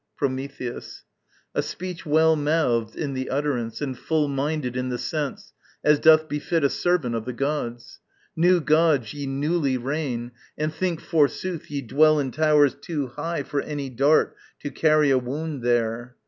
Prometheus. A speech well mouthed In the utterance, and full minded in the sense, As doth befit a servant of the gods! New gods, ye newly reign, and think forsooth Ye dwell in towers too high for any dart To carry a wound there!